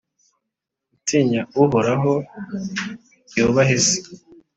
Utinya Uhoraho yubaha se,